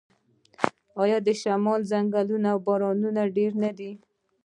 آیا د شمال ځنګلونه او بارانونه ډیر نه دي؟